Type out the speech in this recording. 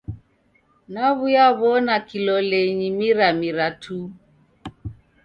Naw'uyaw'ona a kilolenyi miramira tu.